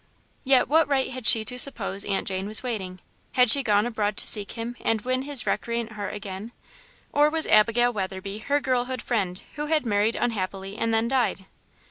Yet, what right had she to suppose Aunt Jane was waiting? Had she gone abroad to seek him and win his recreant heart again? Or was Abigail Weatherby her girlhood friend, who had married unhappily, and then died?